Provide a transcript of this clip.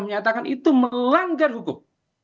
menyatakan itu melanggar hukum